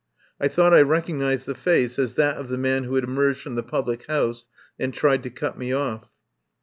I thought I recognised the face as that of the man who had emerged from the public house and tried to cut me off.